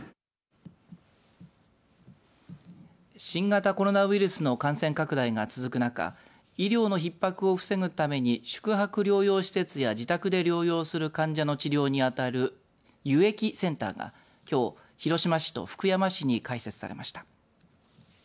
新型コロナウイルスの感染拡大が続く中医療のひっ迫を防ぐために宿泊療養施設や自宅で療養する患者の治療にあたる輸液センターが、きょう広島市と福山市に開設されました。